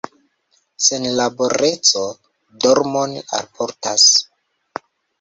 Senlaboreco dormon alportas.